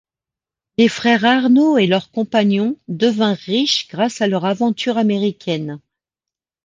Les frères Arnaud et leurs compagnons devinrent riches grâce à leur aventure américaine.